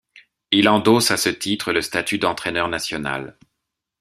Il endosse à ce titre le statut d'Entraineur National.